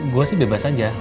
gue sih bebas aja